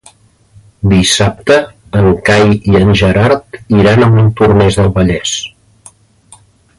Dissabte en Cai i en Gerard iran a Montornès del Vallès.